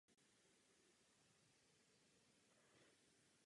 Vesnice se rozkládá na východním okraji občiny.